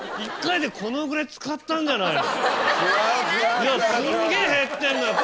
１回でこのぐらい使ったんじゃないの？